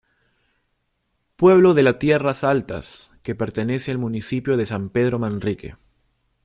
Pueblo de la de Tierras Altas que pertenece al municipio de San Pedro Manrique.